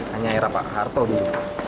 hanya era pak harto dulu